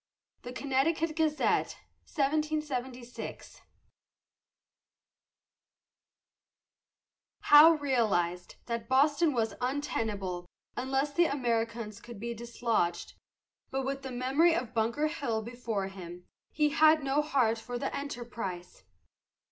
The Connecticut Gazette, 1776. Howe realized that Boston was untenable unless the Americans could be dislodged; but with the memory of Bunker Hill before him, he had no heart for the enterprise.